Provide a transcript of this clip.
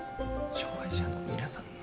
障がい者の皆さんの？